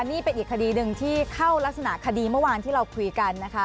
นี่เป็นอีกคดีหนึ่งที่เข้ารักษณะคดีเมื่อวานที่เราคุยกันนะคะ